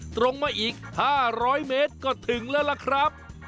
ตรงมาอีก๕๐๐เมตรก็ถึงแล้วล่ะครับ